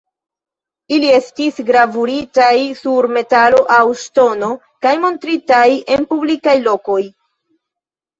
Ili estis gravuritaj sur metalo aŭ ŝtono kaj montritaj en publikaj lokoj.